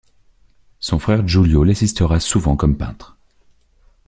Son frère Giulio l'assistera souvent comme peintre.